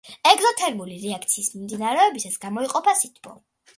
ეგზოთერმული რეაქციის მიმდინარეობისას გამოიყოფა სითბო.